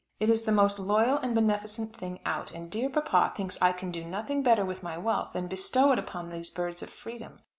It is the most loyal and beneficent thing out, and dear papa thinks I can do nothing better with my wealth than bestow it upon these birds of freedom.